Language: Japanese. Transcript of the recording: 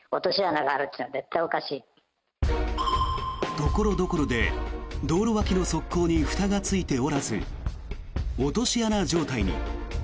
所々で道路脇の側溝にふたがついておらず落とし穴状態に。